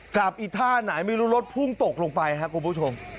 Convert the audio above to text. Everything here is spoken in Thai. กลับอีกท่าไหนมีรหรือรถพุ่งตกลงไปครับคุณผู้ชม